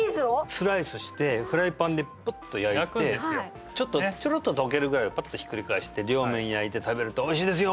スライスしてフライパンでプッと焼いて焼くんですよちょろっと溶けるぐらいでパッとひっくり返して両面焼いて食べるとおいしいですよ！